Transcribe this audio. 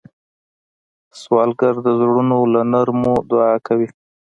سوالګر د زړونو له نرمو دعا کوي